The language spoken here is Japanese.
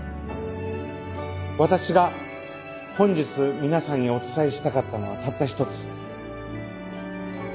私が本日皆さんにお伝えしたかったのはたった一つ。